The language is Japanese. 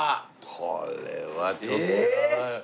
これはちょっと。